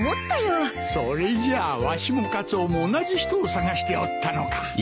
それじゃあわしもカツオも同じ人を捜しておったのか。